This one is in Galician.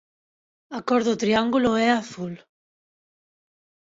A cor do triángulo é azul.